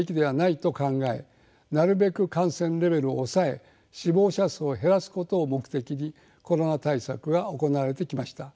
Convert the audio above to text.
なるべく感染レベルを抑え死亡者数を減らすことを目的にコロナ対策が行われてきました。